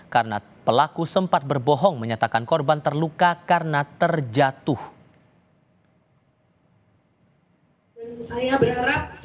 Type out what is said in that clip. karena pelaku sempat berbohong menyatakan korban terluka karena terjatuh